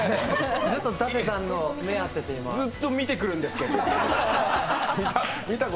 ずっと舘さんと目が合っててずっと見てくるんですけど。